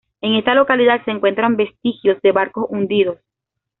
En esta localidad se encuentran vestigios de barcos hundidos.